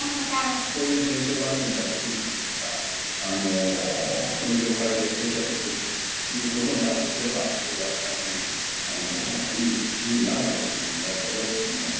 こういう検証番組ができるというのがこの業界で定着して行くということになるとすればこれは大変いい意義のある番組になるだろうと思います。